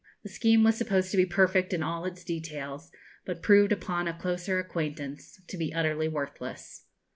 The scheme was supposed to be perfect in all its details, but proved upon a closer acquaintance to be utterly worthless.